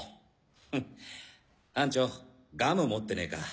フッ班長ガム持ってねえか？